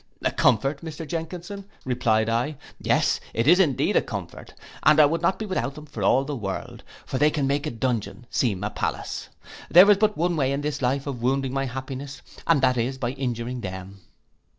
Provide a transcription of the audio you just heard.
'A comfort, Mr Jenkinson,' replied I, 'yes it is indeed a comfort, and I would not be without them for all the world; for they can make a dungeon seem a palace. There is but one way in this life of wounding my happiness, and that is by injuring them.